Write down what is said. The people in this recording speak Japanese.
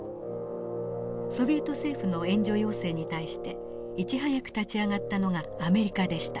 ソビエト政府の援助要請に対していち早く立ち上がったのがアメリカでした。